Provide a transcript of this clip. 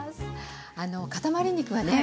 あのかたまり肉はね